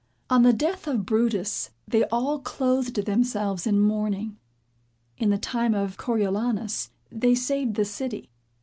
On the death of Brutus, they all clothed themselves in mourning. In the time of Coriolanus they saved the city.